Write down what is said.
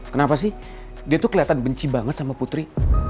kenapa sih dia tuh kelihatan benci banget sama putri